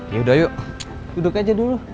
ya udah yuk duduk aja dulu